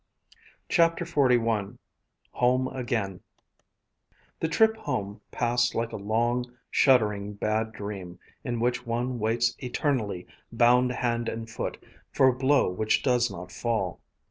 CHAPTER XLI HOME AGAIN The trip home passed like a long shuddering bad dream in which one waits eternally, bound hand and foot, for a blow which does not fall.